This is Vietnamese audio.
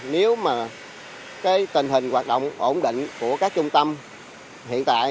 nếu mà cái tình hình hoạt động ổn định của các trung tâm hiện tại